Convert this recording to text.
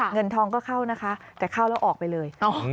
เงินทองก็เข้านะคะแต่เข้าแล้วออกไปเลย